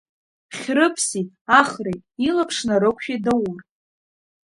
Хьрыԥси Ахреи илаԥш нарықәшәеит Даур.